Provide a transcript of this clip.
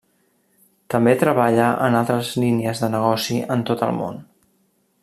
També treballa en altres línies de negoci en tot el món.